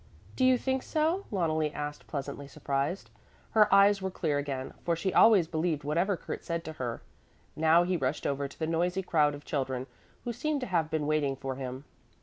"Do you think so?" Loneli asked, pleasantly surprised. Her eyes were clear again, for she always believed whatever Kurt said to her. Now he rushed over to the noisy crowd of children, who seemed to have been waiting for him.